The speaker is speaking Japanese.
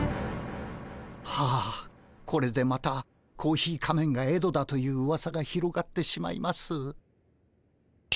はあこれでまたコーヒー仮面がエドだといううわさが広がってしまいます。